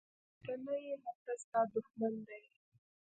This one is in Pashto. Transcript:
چیرې چې ته نه یې هلته ستا دوښمن دی.